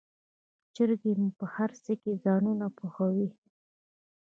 چرګې مو په هرڅه کې ځانونه پوهوي.